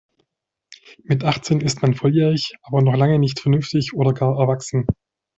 Mit achtzehn ist man volljährig, aber noch lange nicht vernünftig oder gar erwachsen.